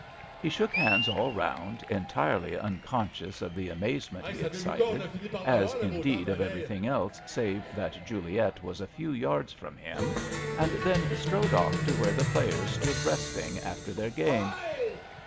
He shook hands all round, entirely unconscious of the amazement he excited, as indeed of everything else save that Juliet was a few yards from him, and then strode off to where the players stood resting after their game.